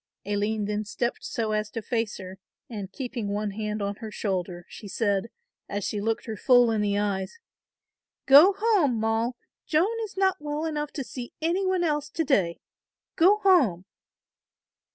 Aline then stepped so as to face her, and keeping one hand on her shoulder, she said, as she looked her full in the eyes, "go home, Moll, Joan is not well enough to see any one else to day, go home."